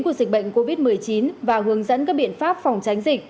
của dịch bệnh covid một mươi chín và hướng dẫn các biện pháp phòng tránh dịch